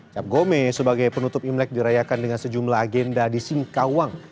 cap gome sebagai penutup imlek dirayakan dengan sejumlah agenda di singkawang